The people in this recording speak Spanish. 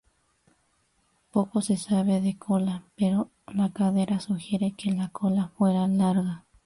Poco se sabe de cola pero la cadera sugiere que la cola fuera larga.